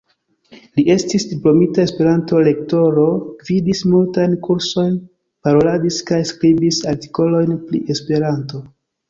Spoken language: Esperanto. Li estis diplomita Esperanto-lektoro, gvidis multajn kursojn, paroladis kaj skribis artikolojn pri Esperanto.